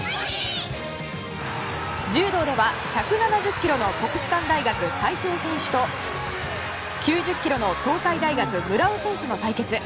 柔道では１７０ｋｇの国士舘大学、斉藤選手と９０ｋｇの東海大学、村尾選手の対決。